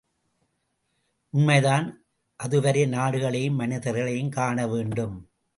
உண்மைதான் அதுவரை நாடுகளையும் மனிதர்களையும் காணவேண்டும்.